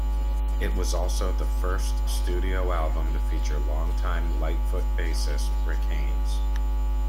It was also the first studio album to feature long-time Lightfoot bassist Rick Haynes.